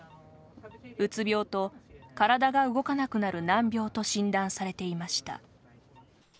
うつ病と体が動かなくなる難病と診断されていました。